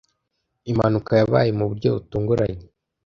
Impanuka yabaye mu buryo butunguranye.